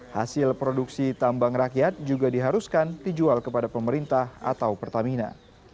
hasil produksi tambang rakyat juga diharuskan dijual kepada pemerintah atau pertamina